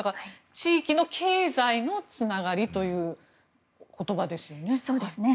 地域の経済のつながりという言葉ですよね。